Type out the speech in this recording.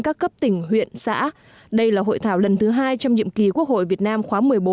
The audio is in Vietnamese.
các cấp tỉnh huyện xã đây là hội thảo lần thứ hai trong nhiệm kỳ quốc hội việt nam khóa một mươi bốn